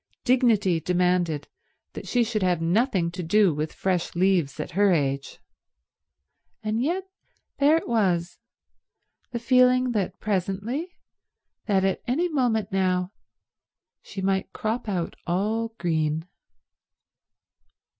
Dignity demanded that she should have nothing to do with fresh leaves at her age; and yet there it was—the feeling that presently, that at any moment now, she might crop out all green.